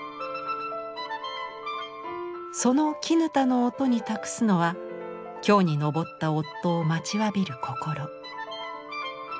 その砧の音に託すのは京に上った夫を待ちわびる心。